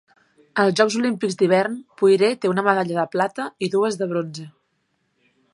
Als Jocs Olímpics d'hivern, Poirée té una medalla de plata i dues de bronze.